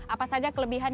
apa saja kelebihannya